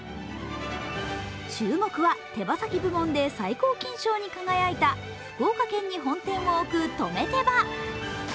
注目は、手羽先部門で最高金賞に輝いた福岡県に本店を置くとめ手羽。